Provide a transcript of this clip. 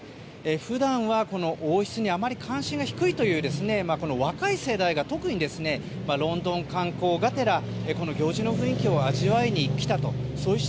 普段は王室にあまり関心が低いという若い世代が特にロンドン観光がてらこの行事の雰囲気を味わいに来たという。